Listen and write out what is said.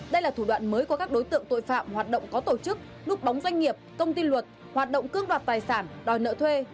đây là thủ đoạn mới của các đối tượng tội phạm hoạt động có tổ chức núp bóng doanh nghiệp công ty luật hoạt động cưỡng đoạt tài sản đòi nợ thuê